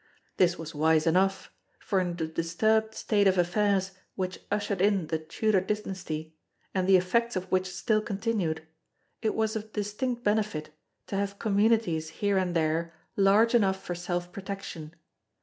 This was wise enough, for in the disturbed state of affairs which ushered in the Tudor Dynasty, and the effects of which still continued, it was of distinct benefit to have communities here and there large enough for self protection.